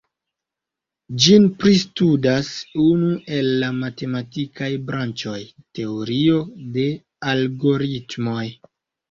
Ĝin pristudas unu el la matematikaj branĉoj: Teorio de Algoritmoj.